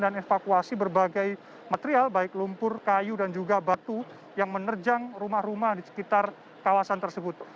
dan evakuasi berbagai material baik lumpur kayu dan juga batu yang menerjang rumah rumah di sekitar kawasan tersebut